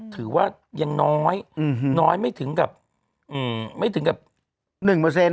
ถือว่ายังน้อยน้อยไม่ถึงกับ๑หมด